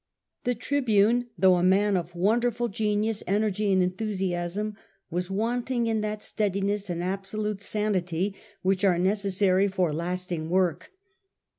The Tribune, though a man of wonderful genius, energy and enthusiasm, was wanting in that steadiness and absolute sanity which are necessary for lasting work.